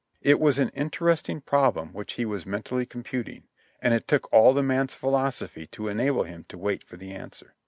It was an interesting prob lem which he was mentally computing, and it took all the man's philosophy to enable him to wait for the answer.